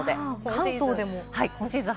関東でも今シーズン